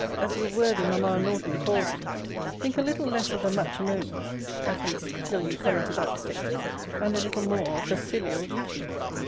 as your worthy Mamma Norton calls you, think a little less of the matrimonial, (at least, till you come into that state,) and a little more of the filial duty.